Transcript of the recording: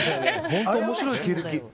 本当、面白い経歴。